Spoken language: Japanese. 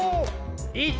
１。